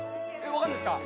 分かんないですか？